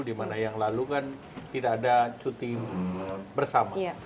dimana yang lalu kan tidak ada cuti bersama